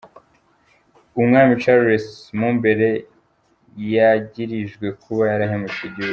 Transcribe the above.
Umwami Charles Mumbere, yagirijwe kuba yarahemukiye igihugu.